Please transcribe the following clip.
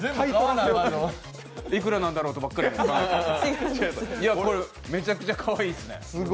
いくらなんだろうとばっかりめちゃくちゃかわいいですね。